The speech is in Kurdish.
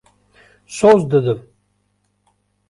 Soz didim.